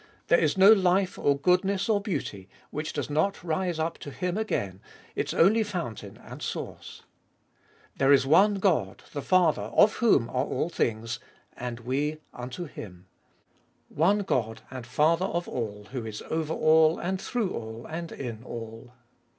There is no life or goodness or beauty, which does not rise up to Him again, its only fountain and source. " There is one God, the 1 Leading, 2 Leader. Cbe Ibolfest of Bll Father, of whom are all things, and we unto Him" " One God and Father of all, who is over all, and through all and in all."